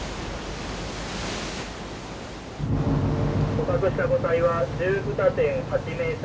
「捕獲した個体は１２．８ｍ。